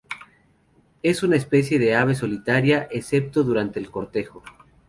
Es una especie de ave solitaria, excepto durante el cortejo.